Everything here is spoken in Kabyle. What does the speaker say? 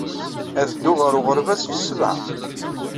Ad dduɣ ɣer uɣerbaz ɣef ssebɛa.